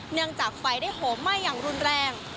เนื่องจากไฟได้โห้ไหม้อย่างรุนแรง